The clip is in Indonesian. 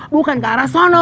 bukan ke arah sono